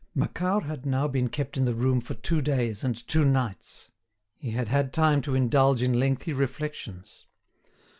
Macquart had now been kept in the room for two days and two nights. He had had time to indulge in lengthy reflections.